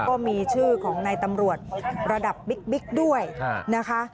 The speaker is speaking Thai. ก็มีชื่อของนายตำรวจระดับบิ๊กด้วยนะคะ